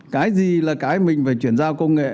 cái gì là cái mình phải chuyển giao công nghệ